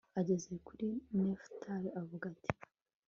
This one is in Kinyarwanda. ageze kuri nefutali aravuga ati